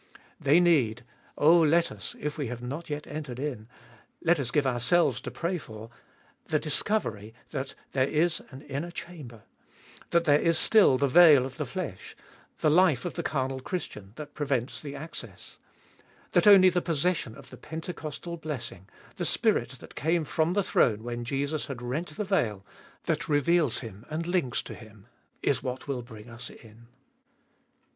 They need — oh let us, if we have not yet entered in, let us give ourselves to pray for — the discovery that there is an inner chamber ; that there is still the veil of the flesh, the life of the carnal Christian, that prevents the access ; that only the possession of the Pentecostal blessing, the Spirit that came from the throne when Jesus had rent the veil, that reveals Him and links to Him, is what will bring us in.